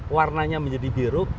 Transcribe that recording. warnanya menjadi biru maka